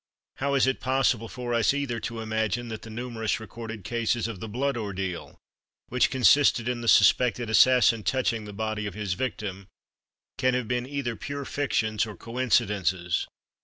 How is it possible for us, either, to imagine that the numerous recorded cases of the Blood Ordeal, which consisted in the suspected assassin touching the body of his victim, can have been either pure fictions or coincidences?